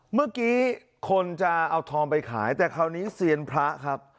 เมื่อกี้คนจะเอาทองไปขายแต่คราวนี้เซียนพระครับ